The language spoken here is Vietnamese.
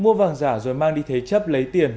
mua vàng giả rồi mang đi thế chấp lấy tiền